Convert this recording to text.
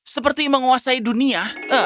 seperti menguasai dunia